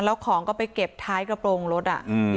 แล้วของก็ไปเก็บท้ายกระโปรงรถอ่ะ